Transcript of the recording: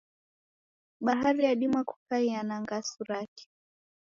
Bahari yadima kukaia na ngasu rake.